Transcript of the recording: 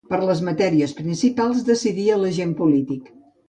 Per les matèries principals decidia l'agent polític.